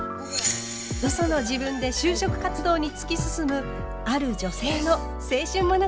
嘘の自分で就職活動に突き進むある女性の青春物語。